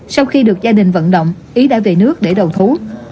sau khi được gia đình vận động ý đã về nước để đầu thú